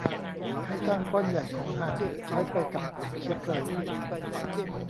ค่าจ้างก้อนใหญ่ของฮันใช้ไปกับเชื้อเพลิง